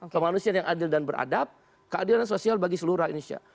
kemanusiaan yang adil dan beradab keadilan sosial bagi seluruh indonesia